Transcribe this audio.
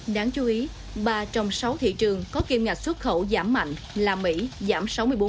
đáng chú ý ba trong sáu thị trường có kiêm ngạch xuất khẩu giảm mạnh là mỹ giảm sáu mươi bốn